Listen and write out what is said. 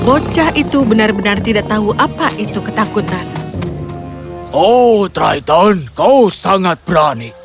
oh triton kau sangat berani